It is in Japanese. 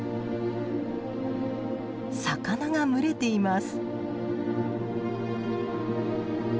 魚が群れています。